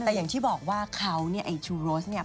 แต่อย่างที่บอกว่าเขาเนี่ยไอ้ชูโรสเนี่ย